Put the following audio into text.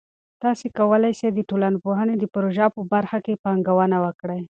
تاسې کولای سئ د ټولنپوهنې د پروژه په برخه کې پانګونه وکړئ.